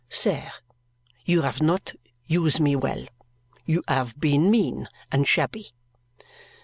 "Sir, you have not use me well. You have been mean and shabby."